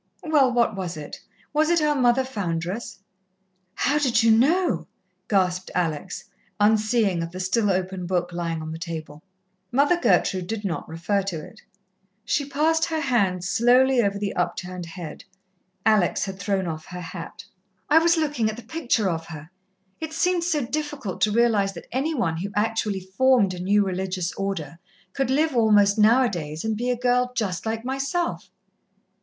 "Well, what was it? Was it our Mother Foundress?" "How did you know?" gasped Alex, unseeing of the still open book lying on the table. Mother Gertrude did not refer to it. She passed her hand slowly over the upturned head. Alex had thrown off her hat. "I was looking at the picture of her. It seemed so difficult to realize that any one who actually formed a new religious Order could live almost now a days and be a girl just like myself."